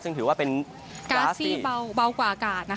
ซึ่งถือว่าเป็นก๊าซที่เบาครั้งกกว่ากาศ